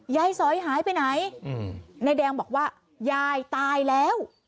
สอยหายไปไหนนายแดงบอกว่ายายตายแล้ว